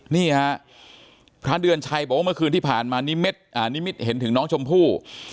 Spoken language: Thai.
นี่ฮะพระเดือนชัยบอกว่าเมื่อคืนที่ผ่านมานิมิตเห็นถึงน้องชมพู่